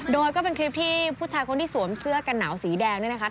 โดยก็เป็นคลิปที่ผู้ชายคนที่สวมเสื้อกันหนาวสีแดงเนี่ยนะคะ